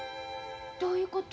どういうこと？